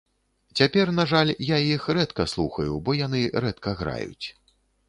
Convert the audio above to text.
Цяпер, на жаль, я іх рэдка слухаю, бо яны рэдка граюць.